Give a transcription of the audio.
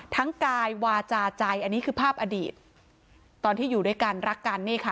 กายวาจาใจอันนี้คือภาพอดีตตอนที่อยู่ด้วยกันรักกันนี่ค่ะ